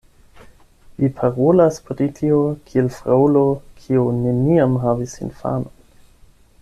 Vi parolas pri tio, kiel fraŭlo kiu neniam havis infanon.